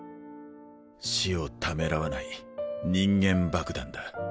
死をためらわない人間爆弾だ。